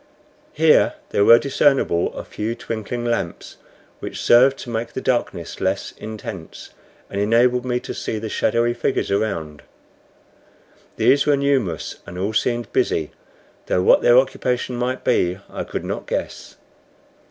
Here there were discernible a few twinkling lamps, which served to make the darkness less intense and enabled me to see the shadowy figures around. These were numerous, and all seemed busy, though what their occupation might be I could not guess.